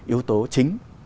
yếu tố chính